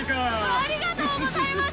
ありがとうございます！